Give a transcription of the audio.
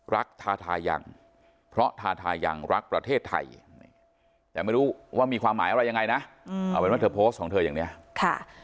รักทาทายังเพราะทาทายังรักประเทศไทยอยากไม่รู้ว่ามีความหมายอะไรยังไงนะ